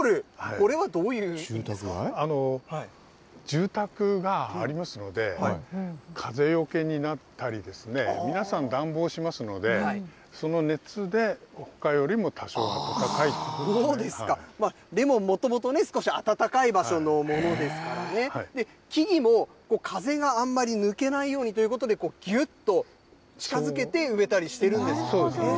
これはどうい住宅がありますので、風よけになったりですね、皆さん、暖房しますので、その熱で、レモン、もともとね、少し暖かい場所のものですからね、木々も風があんまり抜けないようにということで、ぎゅっと近づけて植えたりしてるんですね。